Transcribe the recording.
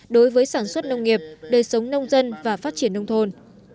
đối với sản xuất nông nghiệp đời sống nông dân và phát triển nông thôn